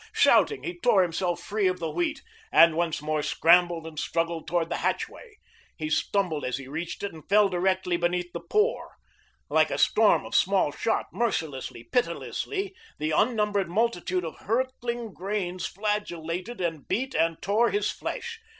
Shouting, he tore himself free of the wheat and once more scrambled and struggled towards the hatchway. He stumbled as he reached it and fell directly beneath the pour. Like a storm of small shot, mercilessly, pitilessly, the unnumbered multitude of hurtling grains flagellated and beat and tore his flesh.